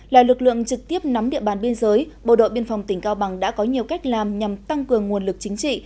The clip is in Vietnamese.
là lực lượng trực tiếp nắm địa bàn biên giới bộ đội biên phòng tỉnh cao bằng đã có nhiều cách làm nhằm tăng cường nguồn lực chính trị